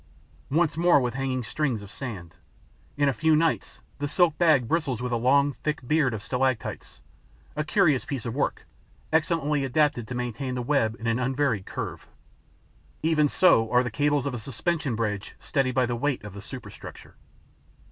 Once more with hanging strings of sand. In a few nights, the silk bag bristles with a long, thick beard of stalactites, a curious piece of work, excellently adapted to maintain the web in an unvaried curve. Even so are the cables of a suspension bridge steadied by the weight of the superstructure.